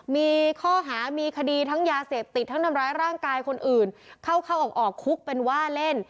มีข้อหามีคดีทั้งยาเสพติดทั้งทำร้ายร่างกายคนอื่นเข้าเข้าออกคุกเป็นว่าเล่น